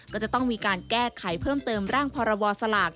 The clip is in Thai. ก็จะต้องมีการแก้ไขเพิ่มเติมร่างพรบสลาก